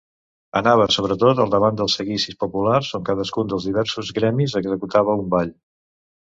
Anava sobretot al davant dels seguicis populars, on cadascun dels diversos gremis executava un ball.